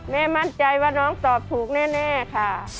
แม่มั่นใจว่าน้องตอบถูกแน่ค่ะ